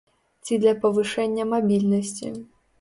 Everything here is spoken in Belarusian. Ці для павышэння мабільнасці.